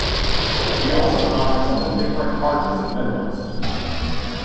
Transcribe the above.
He also comments on the different hardnesses of minerals.